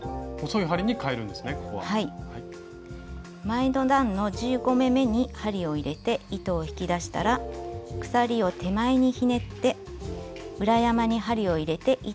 前の段の１５目めに針を入れて糸を引き出したら鎖を手前にひねって裏山に針を入れて糸を引き出します。